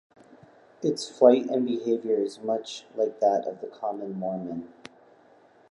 Its flight and behaviour is much like that of the common Mormon.